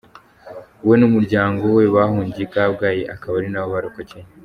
We n’umuryango we bahungiye I Kabgayi akaba ari naho barokokeye.